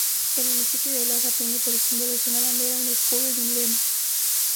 El municipio de Loja tiene por símbolos una bandera, un escudo y un lema.